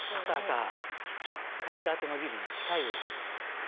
高さ１０階建てのビルに近いぐらいなんです。